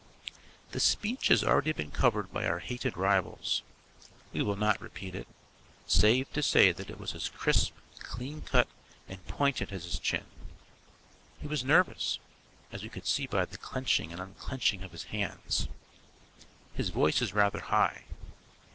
The speech has already been covered by our hated rivals. We will not repeat it, save to say that it was as crisp, clean cut, and pointed as his chin. He was nervous, as we could see by the clenching and unclenching of his hands. His voice is rather high.